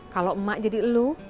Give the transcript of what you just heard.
kalau mak jadi lu